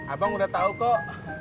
abang udah tahu kok